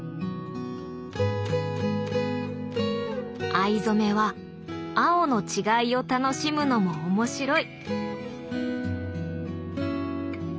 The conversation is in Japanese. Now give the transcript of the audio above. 藍染めは青の違いを楽しむのも面白い。